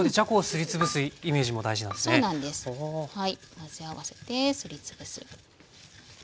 混ぜ合わせてすり潰す。